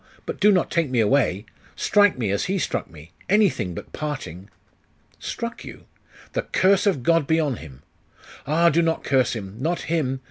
but do not take me away! Strike me, as he struck me! anything but parting!' 'Struck you? The curse of God be on him!' 'Ah, do not curse him! not him!